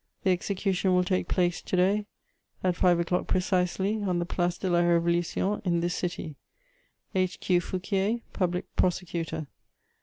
The execution will take place to day, at five o'clock precisely, on the Place de la Révolution in this city. "H. Q. FOUQUIER, "Public Prosecutor.